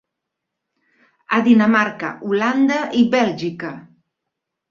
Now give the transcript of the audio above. A Dinamarca, Holanda i Bèlgica.